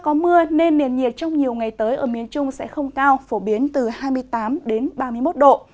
có mưa nên nền nhiệt trong nhiều ngày tới ở miền trung sẽ không cao phổ biến từ hai mươi tám đến ba mươi một độ